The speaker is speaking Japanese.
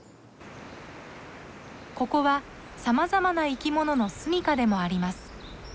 ここはさまざまな生き物の住みかでもあります。